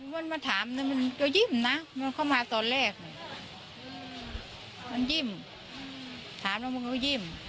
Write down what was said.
มันมาถามนึงมันก็ยิ้มนะมันเข้ามาตอนแรกมันยิ่มถามแล้วมันก็ยิ้ม